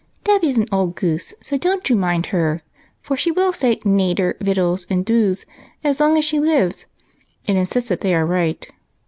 " Dolly 's an old goose, so don't you mind her, for she will say ' nater,' ' vittles,' and ' doos ' as long as she lives, and insist that they are right.